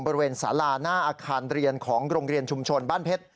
บริเวณสาราหน้าอาคารเรียนของโรงเรียนชุมชนบ้านเพชร